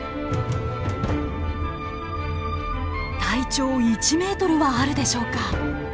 体長１ｍはあるでしょうか。